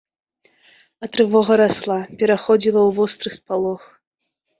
А трывога расла, пераходзіла ў востры спалох.